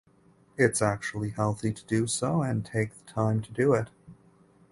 It’s actually healthy to do so and take the time to do it.